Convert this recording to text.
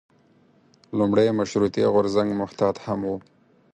لومړی مشروطیه غورځنګ محتاط هم و.